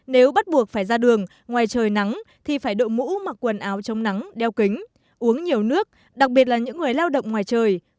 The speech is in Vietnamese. nếu bắt buộc phải ra đường ngoài trời nắng thì phải đội mũ mặc quần áo trong nắng đeo kính uống nhiều nước đặc biệt là những người lao động ngoài trời